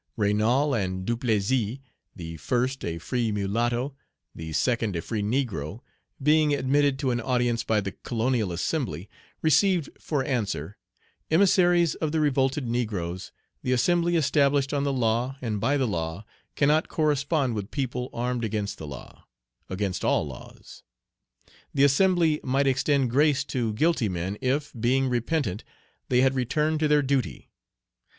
Raynal and Duplessy, the first a free mulatto, the second a free negro, being admitted to an audience by the Colonial Assembly, received for answer: "Emissaries of the revolted negroes, the assembly established on the law and by the law cannot correspond with people armed against the law, against all laws. The assembly might extend grace to guilty men if, being repentant, they had returned to their duty.